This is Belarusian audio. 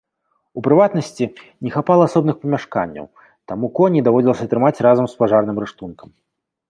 У прыватнасці, не хапала асобных памяшканняў, таму коней даводзілася трымаць разам з пажарным рыштункам.